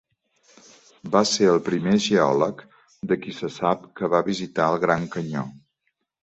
Va ser el primer geòleg de qui se sap que va visitar el Gran Canyó.